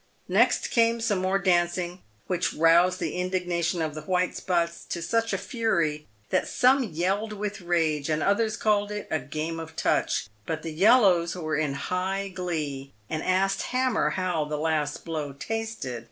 Next came some more dancing, which roused the indignation of the white spots to such a fury that some yelled with rage, and others called it " a game of touch ;" but the yellows were in high glee, and asked Hammer how the last blow tasted.